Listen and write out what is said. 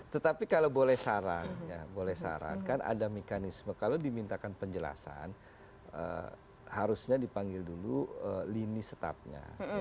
tetapi kalau boleh sarankan ada mekanisme kalau dimintakan penjelasan harusnya dipanggil dulu lini setapnya